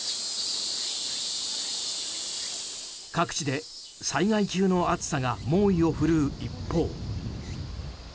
各地で災害級の暑さが猛威を振るう一方。